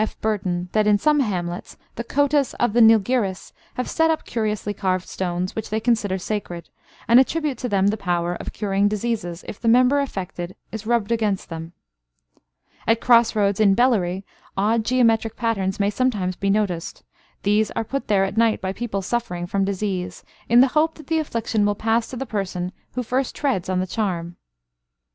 F. Burton that, in some hamlets, the Kotas of the Nilgiris have set up curiously carved stones, which they consider sacred, and attribute to them the power of curing diseases, if the member affected is rubbed against them. At cross roads in Bellary, odd geometric patterns may sometimes be noticed. These are put there at night by people suffering from disease, in the hope that the affliction will pass to the person who first treads on the charm.